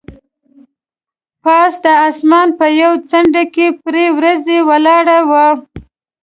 پاس د اسمان په یوه څنډه کې پرې وریځ ولاړه وه.